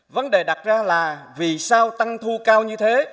vấn đề đặt ra là vì sao tăng thu cao như thế